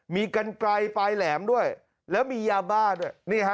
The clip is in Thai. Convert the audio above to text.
มีกันไกลปลายแหลมด้วยแล้วมียาบ้าด้วย